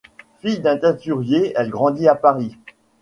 Fille d'un teinturier, elle grandit à Paris.